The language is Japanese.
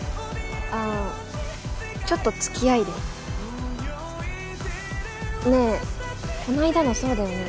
あちょっと付き合いで。ねえこないだのそうだよね。